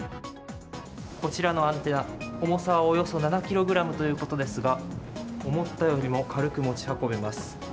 こちらのアンテナ、重さはおよそ７ｋｇということですが思ったよりも軽く持ち運べます。